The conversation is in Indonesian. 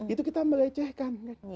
itu kita melecehkan